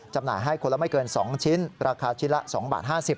หน่ายให้คนละไม่เกิน๒ชิ้นราคาชิ้นละ๒บาท๕๐บาท